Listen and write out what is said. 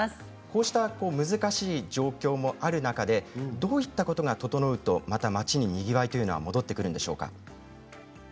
こうした難しい状況もある中でどういったことが整うとまた町ににぎわいが戻ってくるんでしょうか？